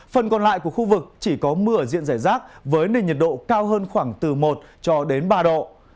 phần còn lại của khu vực chỉ có mưa diện rải rác với nền nhiệt độ cao hơn khoảng từ một cho đến ba độ